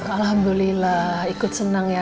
alhamdulillah ikut senang ya